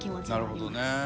なるほどね。